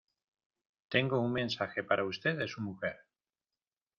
tengo un mensaje para usted, de su mujer.